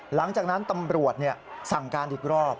หลังจากนั้นตำรวจสั่งการอีกรอบ